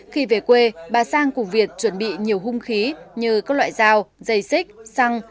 khi về quê bà sang cùng việt chuẩn bị nhiều hung khí như các loại dao dây xích xăng